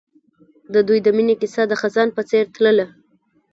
د دوی د مینې کیسه د خزان په څېر تلله.